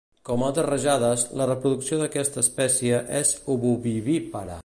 Com altres rajades, la reproducció d'aquesta espècie és Ovovivípara.